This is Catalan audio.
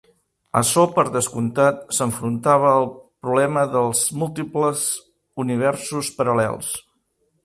Açò, per descomptat, s'enfrontava al problema dels múltiples universos paral·lels.